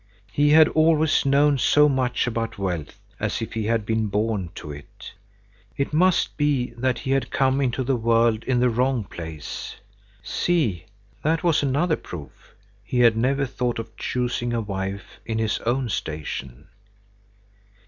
He had always known so much about wealth, as if he had been born to it. It must be that he had come into the world in the wrong place. See, that was another proof,—he had never thought of choosing a wife in his own station.